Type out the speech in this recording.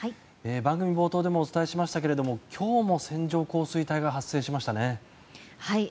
番組冒頭でもお伝えしましたけれども今日も線状降水帯が発生しましたね。